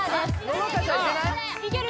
乃々華ちゃんいけない？